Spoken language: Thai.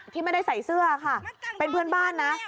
ที่ไม่ได้ใส่เสื้อค่ะเป็นเพื่อนบ้านนะ